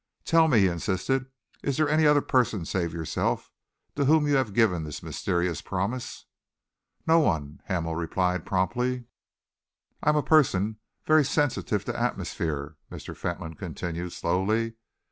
"Tell me," he insisted, "is there any other person save yourself to whom you have given this mysterious promise?" "No one," Hamel replied promptly. "I am a person very sensitive to atmosphere," Mr. Fentolin continued slowly.